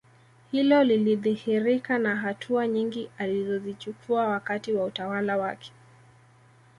Hilo lilidhihirika na hatua nyingi alizozichukua wakati wa utawala wake